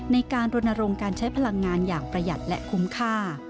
ในการรณรงค์การใช้พลังงานอย่างประหยัดและคุ้มค่า